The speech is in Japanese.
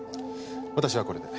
私はこれで。